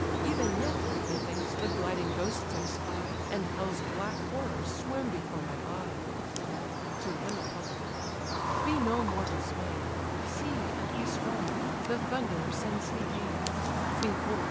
Even yet, methinks, the gliding ghosts I spy, And hell's black horrors swim before my eye." To him Apollo: "Be no more dismay'd; See, and be strong! the Thunderer sends thee aid. Behold!